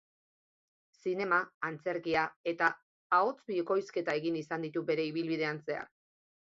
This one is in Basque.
Zinema, antzerkia eta ahots-bikoizketa egin izan ditu bere ibilbidean zehar.